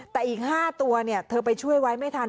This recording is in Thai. แต่อีก๕ตัวเธอไปช่วยไว้ไม่ทัน